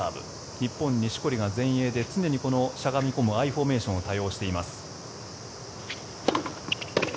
日本、錦織が前衛で常にしゃがみ込むアイフォーメーションを多用しています。